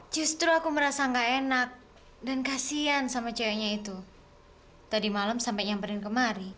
justru aku merasa gak enak dan kasian sama ceweknya itu tadi malam sampai nyamperin kemari